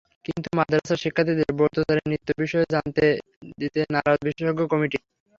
কিন্তু মাদ্রাসার শিক্ষার্থীদের ব্রতচারী নৃত্য বিষয়ে জানতে দিতে নারাজ বিশেষজ্ঞ কমিটি।